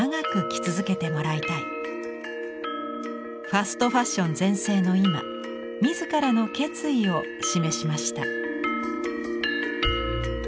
ファストファッション全盛の今自らの決意を示しました。